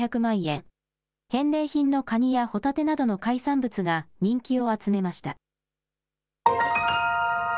返礼品のカニやホタテなどの海産物が人気を集めました。